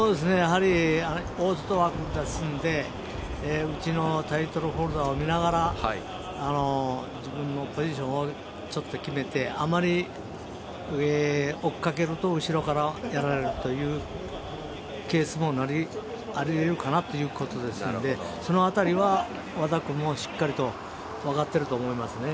大外枠ですので内のタイトルホルダーを見ながら自分のポジションを決めてあまり追いかけると後ろからやられるというケースもありえるかなということですのでその辺りは、和田君もしっかりと分かってると思いますね。